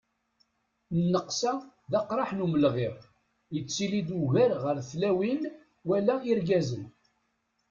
Nnaqsa d aqraḥ n umelɣiɣ, yettili-d ugar ɣer tlawin wala irgazen.